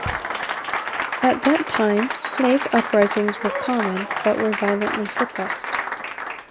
At that time slave uprisings were common but were violently suppressed.